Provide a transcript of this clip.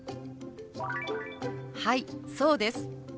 「はいそうです」。